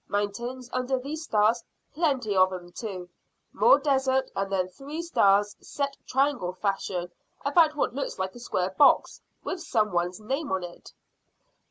Mountains under these stars. Plenty of 'em too. More desert, and then three stars set triangle fashion about what looks like a square box with some one's name on it."